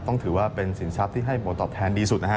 ต้องถือว่าเป็นสินชัพที่ให้โหมดตอบแทนดีสุดนะครับ